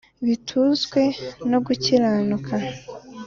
bitunzwe no gukiranuka